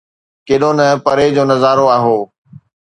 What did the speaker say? ڪيڏو نه پري جو نظارو هو.